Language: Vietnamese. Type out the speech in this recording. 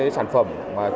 các sản phẩm để làm sao